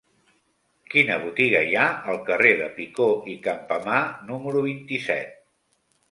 Quina botiga hi ha al carrer de Picó i Campamar número vint-i-set?